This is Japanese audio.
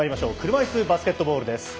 車いすバスケットボールです。